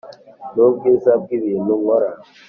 nubwiza bwibintu nkora